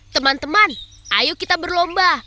teman teman ayo kita berlomba